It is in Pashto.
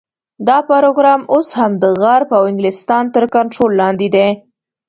دا پروګرام اوس هم د غرب او انګلستان تر کنټرول لاندې دی.